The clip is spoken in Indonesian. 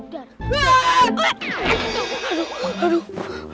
aduh aduh aduh